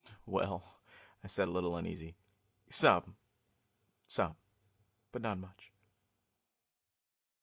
"Well," I said, a little uneasily, "some. Some, but not much."